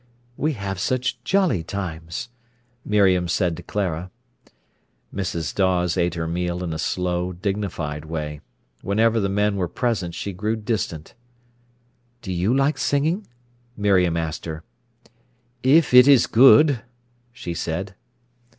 "We have such jolly times," Miriam said to Clara. Mrs. Dawes ate her meal in a slow, dignified way. Whenever the men were present she grew distant. "Do you like singing?" Miriam asked her. "If it is good," she said.